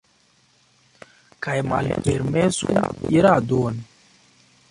Kaj malpermesu iradon.